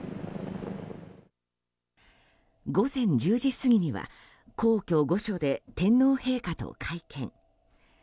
午前１０時過ぎには皇居・御所で天皇陛下と会見。